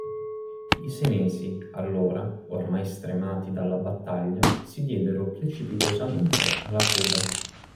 I senesi allora, ormai stremati dalla battaglia, si diedero precipitosamente alla fuga.